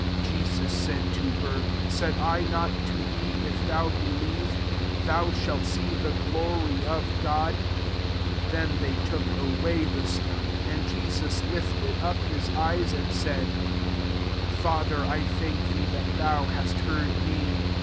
'* 40 Jesus said to her, " Said I not to thee. If thou be lieve, thou shalt see the glory of God ?" 41 Then they took away the stone. And Jesus lifted up /us eyes, and said, <' Father, I thank thee that thou hast heard me.